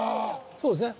そうですね。